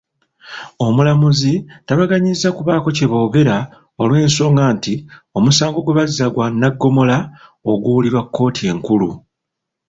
Omulamuzi tabaganyizza kubaako kyeboogera olw'ensonga nti omusango gwe bazza gwa Nnaggomola oguwulirwa kkooti enkulu.